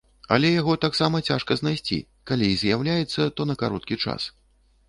Але яго таксама цяжка знайсці, калі і з'яўляецца, то на кароткі час.